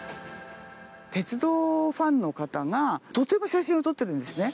鉄道ファンの方が、とても写真を撮ってるんですね。